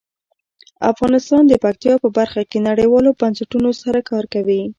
افغانستان د پکتیا په برخه کې نړیوالو بنسټونو سره کار کوي.